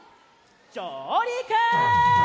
じょうりく！